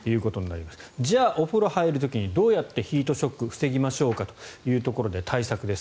じゃあ、お風呂に入る時にどうやってヒートショックを防ぎましょうかというところで対策です。